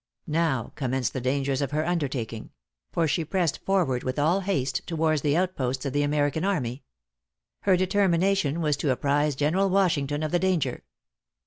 Now commenced the dangers of her undertaking; for she pressed forward with all haste towards the outposts of the American army. Her determination was to apprise General Washington of the danger.